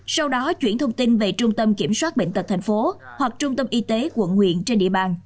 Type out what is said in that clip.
sau đó chuyển thông tin về trung tâm kiểm soát bệnh tật tp hcm hoặc trung tâm y tế quận huyện trên địa bàn